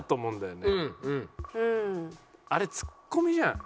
あれツッコミじゃん。